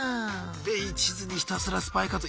で一途にひたすらスパイ活動。